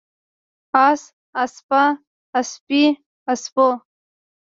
اس، اسپه، اسپې، اسپو